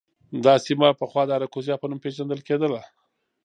دا سیمه پخوا د اراکوزیا په نوم پېژندل کېده.